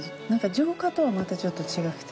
浄化とはまたちょっと違うくて。